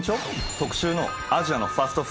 特集の「アジアのファストフード！